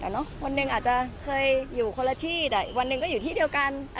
วันหนึ่งอาจจะเคยอยู่คนละที่วันหนึ่งก็อยู่ที่เดียวกัน